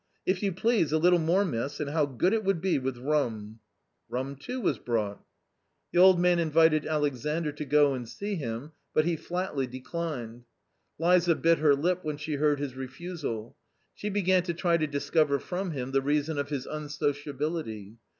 If you please, a little more, miss, and how good it would be with rum." Rum, too, was brought. A COMMON STORY 21 1 The old man invited Alexandr to go and see him, but he flatly declined. Liza bit her lip when she heard his refusal. She began to try to discover from him the reason of his unsociability.